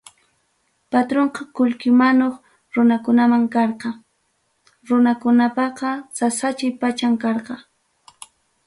Patrunqa qullqi manuq runakunaman karqa, runakunapaqa sasachay pacham karqa.